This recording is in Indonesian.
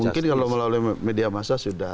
mungkin kalau melalui media massa sudah